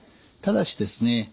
ただしですね